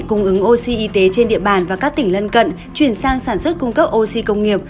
cung ứng oxy y tế trên địa bàn và các tỉnh lân cận chuyển sang sản xuất cung cấp oxy công nghiệp